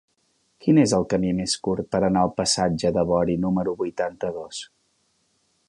Quin és el camí més curt per anar al passatge de Bori número vuitanta-dos?